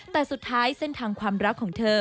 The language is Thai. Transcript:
แต่สุดท้ายเส้นทางความรักของเธอ